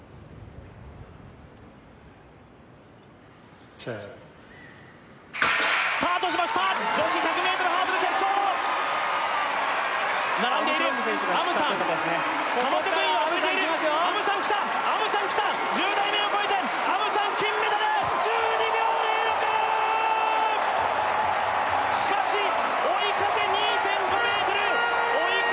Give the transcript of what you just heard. Ｓｅｔスタートしました女子１００ｍハードル決勝並んでいるアムサンカマチョクイン遅れているアムサンきたアムサンきた１０台目を越えてアムサン金メダル１２秒０６しかし追い風２．５ｍ追い風